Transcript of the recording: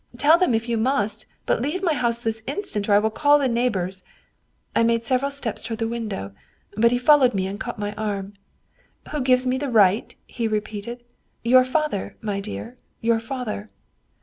'Tell them if you must, but leave my house this instant or I will call the neighbors !'" I made several steps toward the window, but he fol lowed me and caught my arm. ' Who gives me the right? ' he repeated. ' Your father, my dear, your father.'